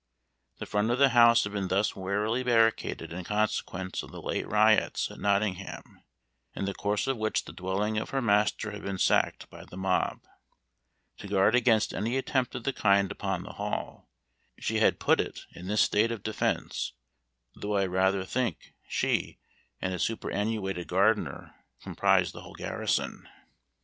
The front of the house had been thus warily barricaded in consequence of the late riots at Nottingham, in the course of which the dwelling of her master had been sacked by the mob. To guard against any attempt of the kind upon the Hall, she had put it in this state of defence; though I rather think she and a superannuated gardener comprised the whole garrison.